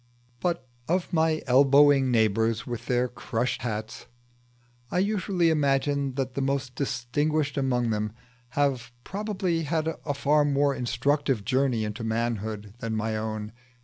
But of my elbowing neighbours with their crush hats, I usually imagine that the most distinguished among them have probably had a far more instructive journey into manhood than mine.